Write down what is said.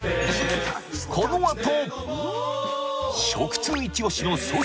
このあと！